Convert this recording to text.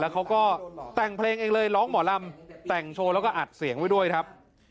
เขาก็แต่งเพลงเองเลยร้องหมอลำแต่งโชว์แล้วก็อัดเสียงไว้ด้วยครับ